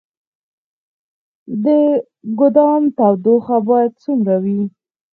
د ګدام تودوخه باید څومره وي؟